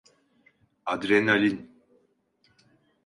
Adrenalin.